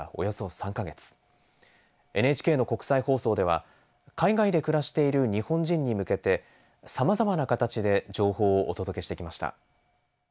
ＮＨＫの国際放送では海外で暮らしている日本人に向けてさまざまな形で情報をお届けしてきました。